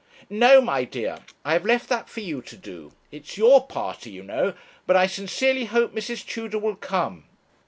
'No, my dear; I have left that for you to do. It's your party, you know but I sincerely hope Mrs. Tudor will come.'